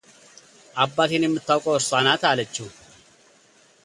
አባቴን የምታውቀው እርሷ ናት አለችው፡፡